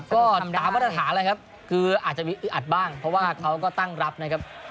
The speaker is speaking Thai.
ก็ตามมาตรฐานแล้วครับคืออาจจะมีอึดอัดบ้างเพราะว่าเขาก็ตั้งรับนะครับ